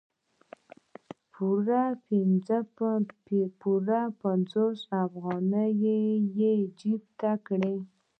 پوره پنځوس افغانۍ یې جیب ته کړې.